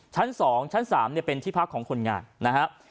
ชั้นสองชั้นสามเนี่ยเป็นที่พักของคนงานนะครับ